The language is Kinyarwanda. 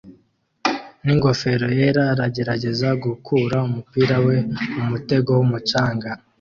ningofero yera aragerageza gukura umupira we mumutego wumucanga